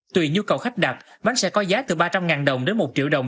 tùy nhu cầu khách đặt bánh sẽ có giá từ ba trăm linh đồng đến một triệu đồng